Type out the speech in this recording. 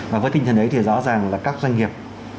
và với tinh thần ấy thì rõ ràng là các doanh nghiệp